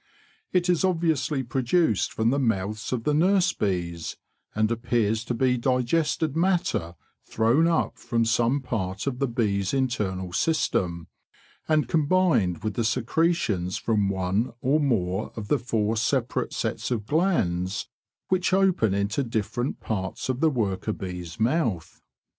It is obviously produced from the mouths of the nurse bees, and appears to be digested matter thrown up from some part of the bee's internal system, and combined with the secretions from one or more of the four separate sets of glands which open into different parts of the worker bee's mouth.